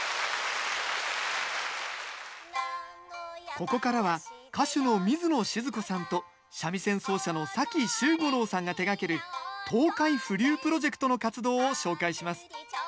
ここからは歌手の水野詩都子さんと三味線奏者の秀五郎さんが手がける東海風流プロジェクトの活動を紹介します。